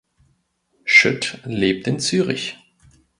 Schütt lebt in Zürich.